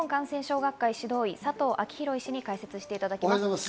ここからは日本感染症学会・指導医、佐藤昭裕医師に解説していただきます。